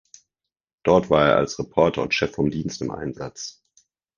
Dort war er als Reporter und Chef vom Dienst im Einsatz.